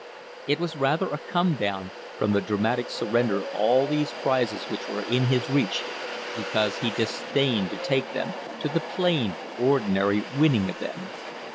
It was rather a come down from the dramatic surrender of all these prizes which were in his reach, because he disdained to take them, to the plain, ordinary winning of them.